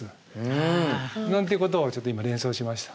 なんていうことをちょっと今連想しました。